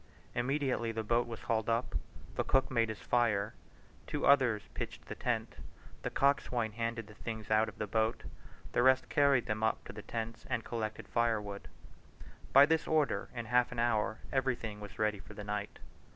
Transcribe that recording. Immediately the boat was hauled up, the cook made his fire; two others pitched the tent; the coxswain handed the things out of the boat; the rest carried them up to the tents and collected firewood. By this order, in half an hour everything was ready for the night.